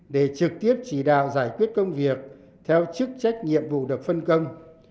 để trực tiếp chỉ đạo giải quyết công việc theo chức trách nhiệm vụ được phân công